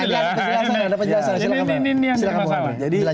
ini yang jadi masalah